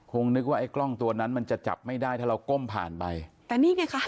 นึกว่าไอ้กล้องตัวนั้นมันจะจับไม่ได้ถ้าเราก้มผ่านไปแต่นี่ไงคะ